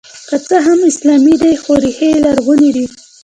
که څه هم اسلامي دی خو ریښې یې لرغونې دي